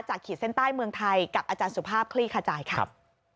ขีดเส้นใต้เมืองไทยกับอาจารย์สุภาพคลี่ขจายครับ